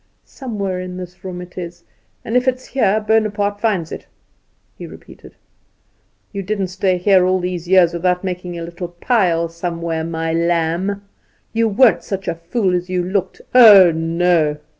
"Somewhere in this room it is; and if it's here Bonaparte finds it," he repeated. "You didn't stay here all these years without making a little pile somewhere, my lamb. You weren't such a fool as you looked. Oh, no!"